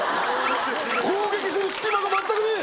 攻撃する隙間が全くねえ！